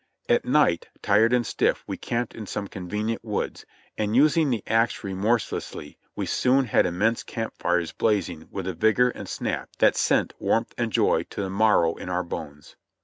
At night, tired and stiff, we camped in some convenient woods, and using the axe remorselessly we soon had immense camp fires blazing with a vigor and snap that sent warmth and joy to the marrow in our bones.